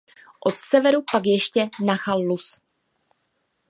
Od severu pak ještě Nachal Luz.